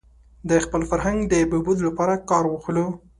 د خپل فرهنګ د بهبود لپاره کار واخلو.